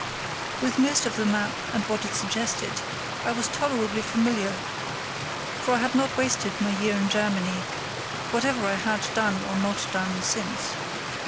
With most of the map and what it suggested I was tolerably familiar, for I had not wasted my year in Germany, whatever I had done or not done since.